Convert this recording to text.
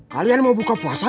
kalian mau buka puasa